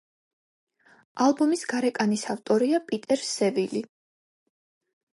ალბომის გარეკანის ავტორია პიტერ სევილი.